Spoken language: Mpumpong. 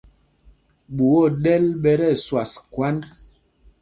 Ɓuá o ɗɛ́l ɓɛ tí ɛsüas khwánd.